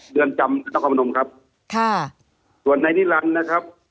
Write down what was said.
ได้จำนักความลงครับท่อะส่วนในนีรันนะครับ